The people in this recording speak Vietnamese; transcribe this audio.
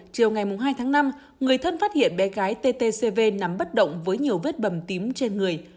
chiều ngày hai tháng năm người thân phát hiện bé gái ttcv nắm bắt động với nhiều vết bầm tím trên người